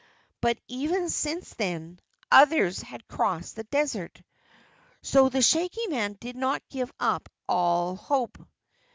But even since then, others had crossed the desert. So, the Shaggy Man didn't give up all hope.